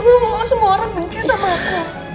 mama mau aku semuanya menggunyi sama aku